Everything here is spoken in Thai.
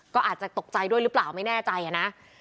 ก็อาจจะตกใจด้วยหรือเปล่าไม่แน่ใจนะ